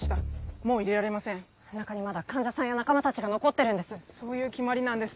もう入れられません中にまだ患者さんや仲間達が残ってるんですそういう決まりなんです